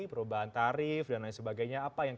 perubahan tarif dan lain sebagainya apa yang